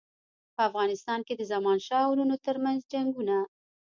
په افغانستان کې د زمانشاه او وروڼو ترمنځ جنګونه.